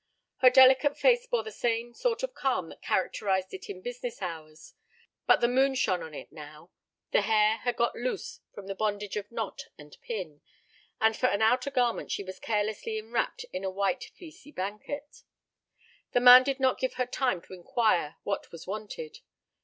Her delicate face bore the same sort of calm that characterized it in business hours, but the moon shone on it now, the hair had got loose from the bondage of knot and pin, and for an outer garment she was carelessly enwrapped in a white, fleecy blanket. The man did not give her time to inquire what was wanted.